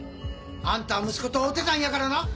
あんたは息子とおうてたんやからな！